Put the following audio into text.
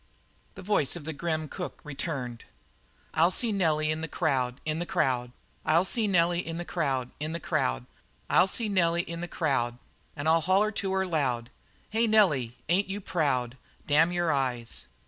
The voice of the grim cook returned: "I'll see Nelly in the crowd, in the crowd; I'll see Nelly in the crowd, in the crowd; I'll see Nelly in the crowd, And I'll holler to her loud: 'Hey, Nelly, ain't you proud Damn your eyes?'"